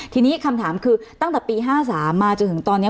ทีนี้คำถามคือตั้งแต่ปี๕๓มาจนถึงตอนนี้